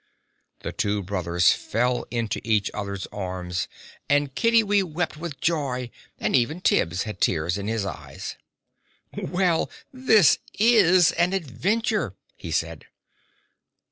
The two brothers fell into each other's arms, and Kiddiwee wept with joy, and even Tibbs had tears in his eyes. "Well, this IS an adventure!" he said.